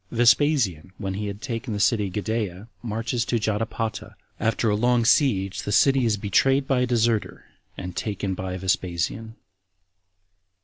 Vespasian, When He Had Taken The City Gadaea Marches To Jotapata. After A Long Siege The City Is Betrayed By A Deserter, And Taken By Vespasian.